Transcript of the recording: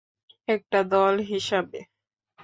একটা দল হিসাবে।